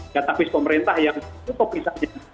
data abis pemerintah yang cukup pisahnya